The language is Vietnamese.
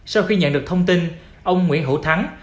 sau khi nhận được thông tin ông nguyễn hữu thắng